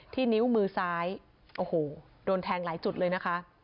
นิ้วมือซ้ายโอ้โหโดนแทงหลายจุดเลยนะคะ